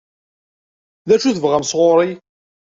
D acu i tebɣam sɣur-i?